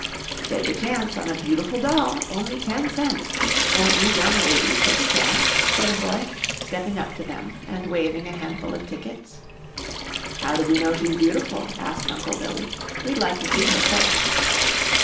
"Take a chance on a beautiful doll, only ten cents. Won't you young ladies take a chance?" said a boy, stepping up to them and waving a handful of tickets. "How do we know she's beautiful?" asked Uncle Billy. "We'd like to see her first."